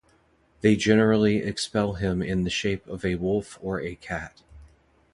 They generally expel him in the shape of a wolf or a cat.